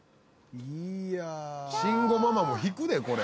「いやあ」「慎吾ママも引くでこれ」